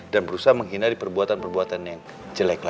dan berusaha menghindari perbuatan perbuatan yang jelek